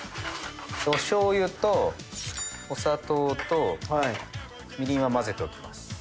おしょうゆとお砂糖とみりんは混ぜておきます。